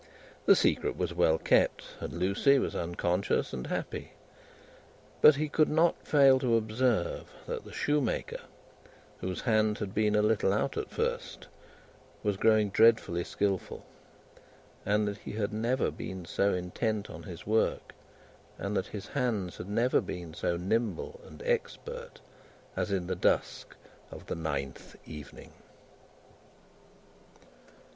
The secret was well kept, and Lucie was unconscious and happy; but he could not fail to observe that the shoemaker, whose hand had been a little out at first, was growing dreadfully skilful, and that he had never been so intent on his work, and that his hands had never been so nimble and expert, as in the dusk of the ninth evening.